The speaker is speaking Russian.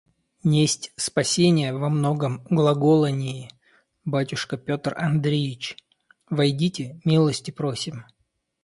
Несть спасения во многом глаголании. Батюшка Петр Андреич! войдите, милости просим.